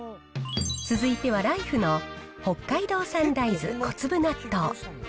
続いてはライフの北海道産大豆小粒納豆。